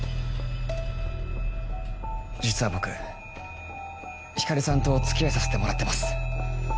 実は僕光莉さんとお付き合いさせてもらってます。